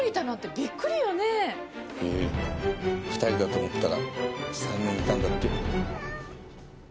ビビ２人だと思ったら３人いたんだって。